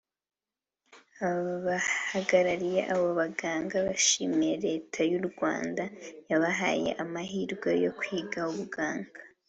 Abahagarariye abo baganga bashimiye Leta y’u Rwanda yabahaye amahirwe yo kwiga ubuganga